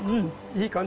いい感じ？